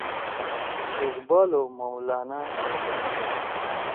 اقبال او مولانا رومی